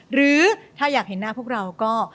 หรือถ้าอยากเห็นหน้าพวกเราก็